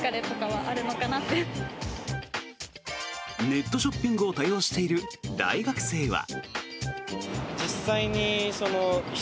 ネットショッピングを多用している大学生は。